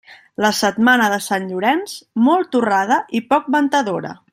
La setmana de Sant Llorenç, molt torrada i poc ventadora.